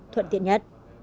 thuận tiện nhất